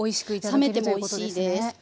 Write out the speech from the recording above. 冷めてもおいしいです。